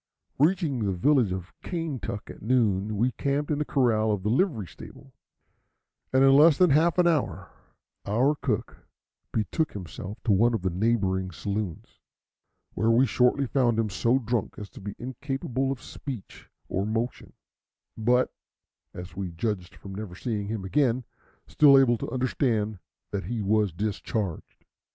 Reaching the village of Kaintuck at noon, we camped in the corral of the livery stable, and in less than half an hour our cook betook himself to one of the neighboring saloons, where we shortly found him so drunk as to be incapable of speech or motion, but as we judged from never seeing him again still able to understand that he was discharged.